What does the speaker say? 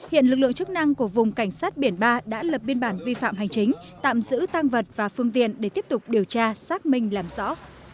hiện lực lượng chức năng của vùng cảnh sát biển ba đã lập biên bản vi phạm hành chính tạm giữ tăng vật và phương tiện để tiếp tục điều tra xác minh làm rõ